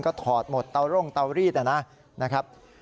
ก็ถอดหมดเตาร่งเตารีดนะครับ